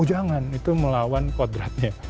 jangan itu melawan kodratnya